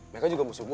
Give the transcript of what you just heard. mereka juga musuh gue